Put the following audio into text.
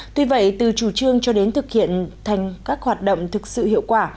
tuy vậy từ chủ trương cho đến thực hiện thành các hoạt động thực sự hiệu quả